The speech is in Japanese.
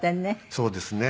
そうですね。